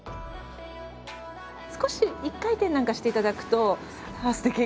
少し一回転なんかしていただくとあっすてき！